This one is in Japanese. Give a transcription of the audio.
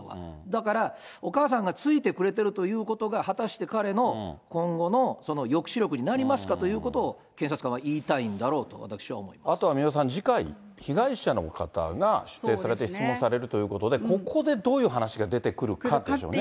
だから、お母さんがついてくれてるということが、果たして彼の今後の抑止力になりますかということを検察側は言いあとは三輪さん、次回、被害者の方が出廷されて質問されるということで、ここでどういう話が出てくるかでしょうね。